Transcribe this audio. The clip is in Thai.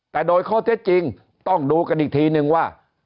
แต่โดยข้อเท็จจริงต้องดูกันอีกทีนึงว่า